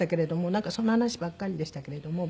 なんかそんな話ばっかりでしたけれども。